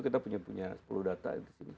kita punya sepuluh data